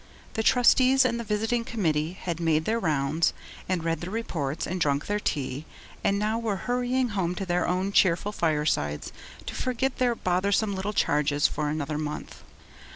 The Trustees and the visiting committee had made their rounds, and read their reports, and drunk their tea, and now were hurrying home to their own cheerful firesides, to forget their bothersome little charges for another month.